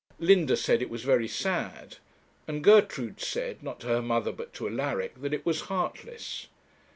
Linda said it was very sad; and Gertrude said, not to her mother but to Alaric, that it was heartless.